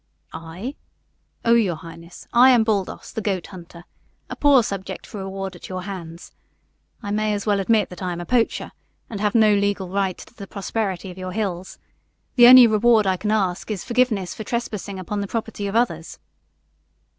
"I? Oh, your highness, I am Baldos, the goat hunter, a poor subject for reward at your hands. I may as well admit that I am a poacher, and have no legal right to the prosperity of your hills. The only reward I can ask is forgiveness for trespassing upon the property of others."